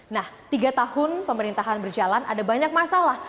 nah tiga tahun pemerintahan berjalan ada banyak masalah